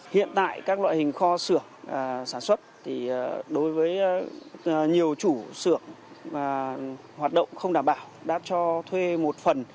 hiện tại các loại hình kho xưởng sản xuất đối với nhiều chủ xưởng hoạt động không đảm bảo đã cho thuê một phần